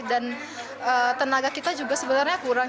dan tenaga kita juga sebenarnya kurang